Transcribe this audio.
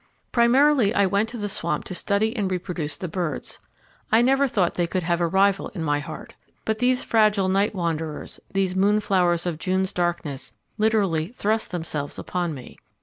Primarily, I went to the swamp to study and reproduce the birds. I never thought they could have a rival in my heart. But these fragile night wanderers, these moonflowers of June's darkness, literally "thrust themselves upon me."